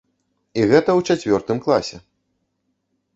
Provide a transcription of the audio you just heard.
І гэта ў чацвёртым класе.